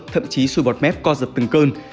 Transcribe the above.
thậm chí xui bọt mép co dập từng cơn